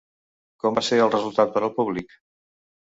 Com va ser el resultat per al públic?